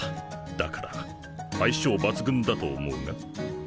だから相性抜群だと思うが？